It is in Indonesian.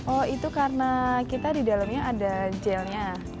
oh itu karena kita di dalamnya ada gelnya